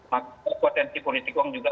maka potensi politik uang juga